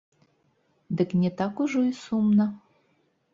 Дык не так ужо і сумна.